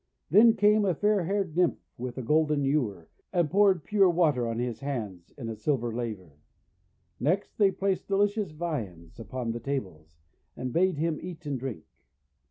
Then came a fair haired Nymph with a golden ewer, and poured pure "water on his hands in a silver laver. Next they placed delicious viands upon the tables, and bade him eat and drink.